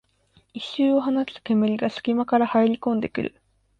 異臭を放つ煙がすき間から入りこんでくる